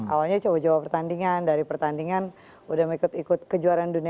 awalnya coba coba pertandingan dari pertandingan udah ikut ikut kejuaraan dunia